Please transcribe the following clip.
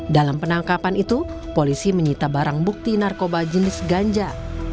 dalam penangkapan itu polisi menyita barang bukti narkoba jenis ganja